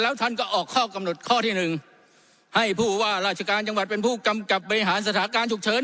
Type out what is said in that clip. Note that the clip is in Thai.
แล้วท่านก็ออกข้อกำหนดข้อที่หนึ่งให้ผู้ว่าราชการจังหวัดเป็นผู้กำกับบริหารสถานการณ์ฉุกเฉิน